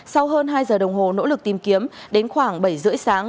sau hơn hai giờ đồng hồ nỗ lực tìm kiếm đến khoảng bảy h ba mươi sáng